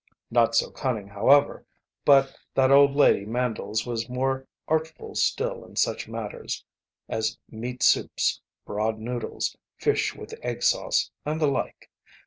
Not so cunning, however, but that old lady Mandle's was more artful still in such matters as meat soups, broad noodles, fish with egg sauce, and the like.